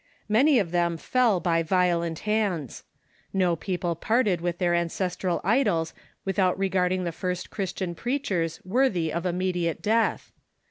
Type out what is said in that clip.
Many of them fell by violent hands. No people parted with their ancestral idols without regarding the first Christian preachers worthy of immediate death.